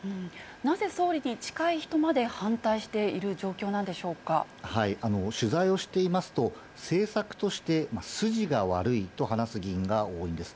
なぜ総理に近い人まで反対し取材をしていますと、政策として筋が悪いと話す議員が多いんです。